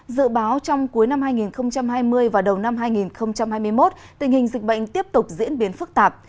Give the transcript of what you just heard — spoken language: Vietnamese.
dự báo trong cuối năm hai nghìn hai mươi và đầu năm hai nghìn hai mươi một tình hình dịch bệnh tiếp tục diễn biến phức tạp